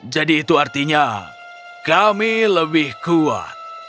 jadi itu artinya kami lebih kuat